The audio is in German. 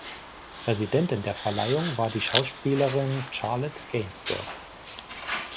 Präsidentin der Verleihung war die Schauspielerin Charlotte Gainsbourg.